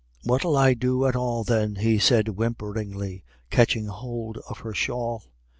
"What 'ill I do at all, then?" he said, whimperingly, catching hold of her shawl.